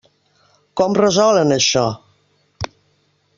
Com resolen això?